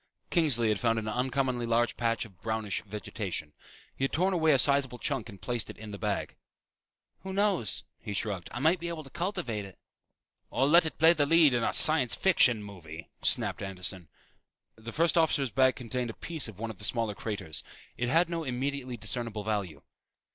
Kingsley had found an uncommonly large patch of brownish vegetation. He had torn away a sizeable chunk and placed it in the bag. "Who knows?" he shrugged. "I might be able to cultivate it." "Or let it play the lead in a science fiction movie," snapped Anderson. The first officer's bag contained a piece of one of the smaller craters. It had no immediately discernable value.